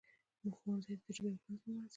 ښوونځي دي د ژبي ورځ ولمانځي.